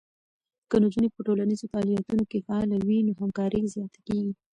که نجونې په ټولنیزو فعالیتونو کې فعاله وي، نو همکاری زیاته کېږي.